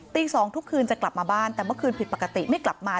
๒ทุกคืนจะกลับมาบ้านแต่เมื่อคืนผิดปกติไม่กลับมา